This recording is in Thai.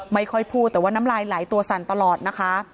ไม่ค่อยพูดแต่ว่าน้ำลายไหลตัวสั่นตลอดนะคะ